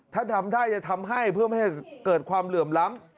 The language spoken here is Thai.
ถ้าทำได้จะทำให้เพื่อไม่ให้เกิดความเหลื่อมล้ำ